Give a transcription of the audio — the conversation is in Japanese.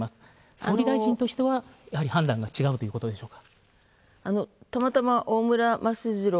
総理大臣としては、やはり判断が違うということでしょうか？